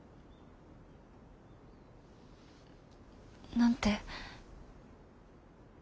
何て？